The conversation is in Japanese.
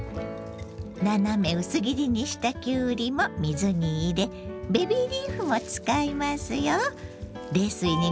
斜め薄切りにしたきゅうりも水に入れベビーリーフも使いますよ。